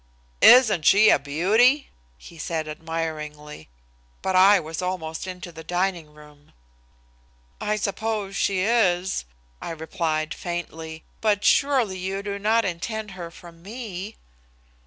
"Isn't she a beauty?" he said admiringly. But I was almost into the dining room. "I suppose she is," I replied faintly, "but surely you do not intend her for me?"